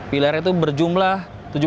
pilar itu berjumlah tujuh belas